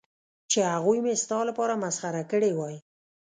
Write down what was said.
چې هغوی مې ستا لپاره مسخره کړې وای.